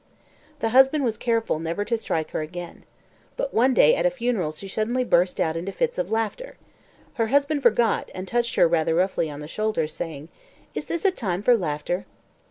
The husband was careful never to strike her again. But one day at a funeral she suddenly burst out into fits of laughter. Her husband forgot, and touched her rather roughly on the shoulder, saying, "Is this a time for laughter?"